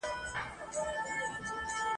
ځینو نااهلو کسانو، چي زه یقین لرم ..